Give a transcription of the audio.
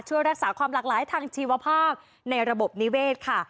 ช่วยรักษาความหลากหลายทางชีวภาพในระบบนิเวศค่ะ